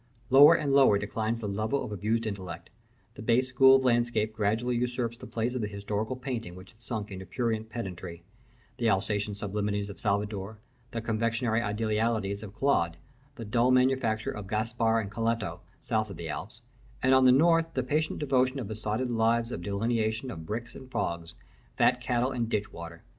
Lower and lower declines the level of abused intellect; the base school of landscape gradually usurps the place of the historical painting, which had sunk into prurient pedantry, the Alsatian sublimities of Salvator, the confectionery idealities of Claude, the dull manufacture of Gaspar and Canaletto, south of the Alps, and on the north the patient devotion of besotted lives to delineation of bricks and fogs, fat cattle and ditchwater.